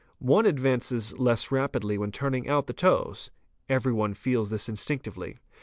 One advances less rapidly when turning out the toes; every one feels this instinctively.